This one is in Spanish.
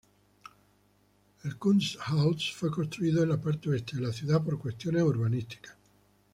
El Kunsthaus fue construido en la parte oeste de la ciudad por cuestiones urbanísticas.